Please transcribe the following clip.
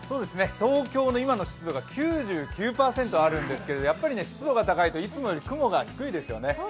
東京の今の湿度が９９％あるんですけど、やっぱり湿度が高いといつもより雲が低いですよね。